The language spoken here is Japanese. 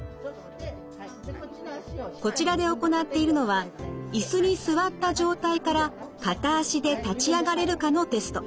こちらで行っているのは椅子に座った状態から片足で立ち上がれるかのテスト。